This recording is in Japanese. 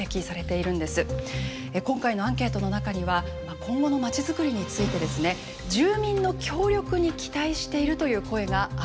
今回のアンケートの中には今後のまちづくりについてですね住民の協力に期待しているという声が挙がりました。